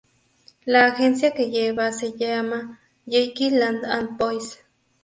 La agencia que lleva se llama Jackie Lane Ad Voice.